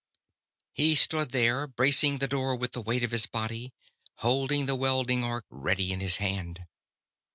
He stood there, bracing the door with the weight of his body, holding the welding arc ready in his hand.